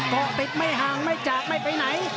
เกาะติดไม่ห่างไม่จากไม่ไปไหน